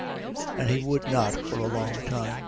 And he would not for a long time.